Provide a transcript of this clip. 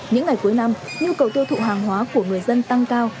những ngày cuối năm nhu cầu tiêu thụ hàng hóa của người dân tăng cao